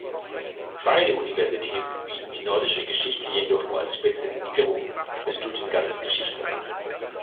Beide Universitäten bieten die nordische Geschichte jedoch nur als Spezialisierung des Studienganges Geschichte an.